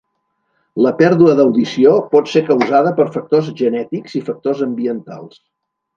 La pèrdua d'audició pot ser causada per factors genètics i factors ambientals.